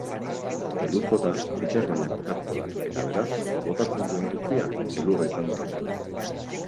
Elur-kota itsasmailan kokatuko da eta beraz, botatzen duen guztia elurra izango da.